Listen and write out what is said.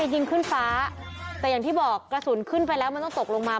ยิงขึ้นฟ้าแต่อย่างที่บอกกระสุนขึ้นไปแล้วมันต้องตกลงมา